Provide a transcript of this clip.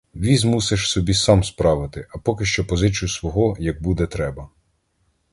Віз мусиш собі сам справити, а поки що позичу свого, як буде треба.